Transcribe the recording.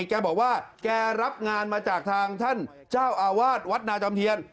แกบอกว่าแกรับงานมาจากทางท่านเจ้าอาวาสวัดนาจอมเทียน